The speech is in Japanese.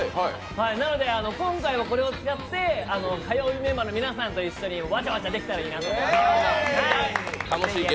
なので今回はこれを使って火曜日メンバーの皆さんと一緒にわちゃわちゃできたらいいなと思います。